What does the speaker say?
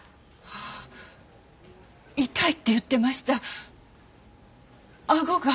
あっ痛いって言ってました顎が。